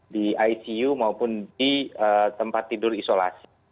di icu maupun di tempat tidur isolasi